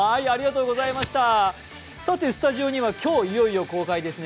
スタジオには今日いよいよ公開ですね。